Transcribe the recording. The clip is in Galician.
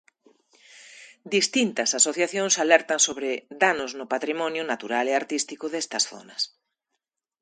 Distintas asociacións alertan sobre o danos no patrimonio, natural e artístico destas zonas.